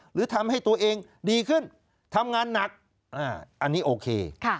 หรือทำให้ตัวเองดีขึ้นทำงานหนักอันนี้โอเค